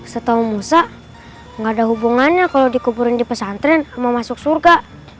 setahu musa gak ada hubungannya kalau dikuburin di pesantren mau masuk surga